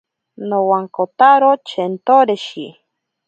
Nowankotaro chenteroshi.